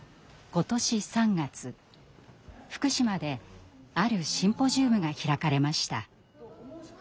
今年３月福島であるシンポジウムが開かれました。